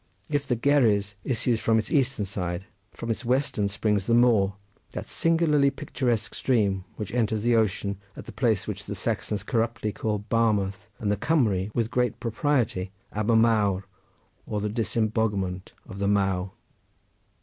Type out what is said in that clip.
If the Gerres issues from its eastern side, from its western springs the Maw that singularly picturesque stream, which enters the ocean at the place which the Saxons corruptly call Barmouth and the Cumry with great propriety Aber Maw or the disemboguement of the Maw.